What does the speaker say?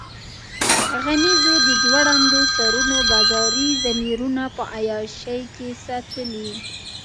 غمیزو د ځوړندو سرونو بازاري ضمیرونه په عیاشۍ کې ساتلي.